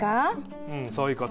うんそういうこと。